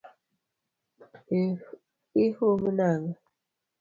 Ihum nang’o?